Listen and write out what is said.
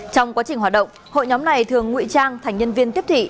trong quá trình hoạt động hội nhóm này thường ngụy trang thành nhân viên tiếp thị